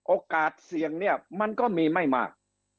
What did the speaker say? โอกาสเสี่ยงเนี่ยมันก็มีไม่มาก